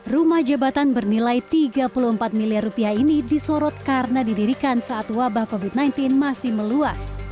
rumah jabatan bernilai tiga puluh empat miliar rupiah ini disorot karena didirikan saat wabah covid sembilan belas masih meluas